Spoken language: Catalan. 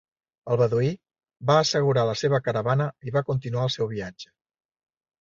El beduí va assegurar la seva caravana i va continuar el seu viatge.